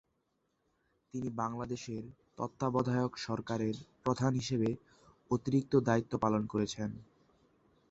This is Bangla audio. তিনি বাংলাদেশের তত্ত্বাবধায়ক সরকারের প্রধান হিসেবে অতিরিক্ত দায়িত্ব পালন করেছেন।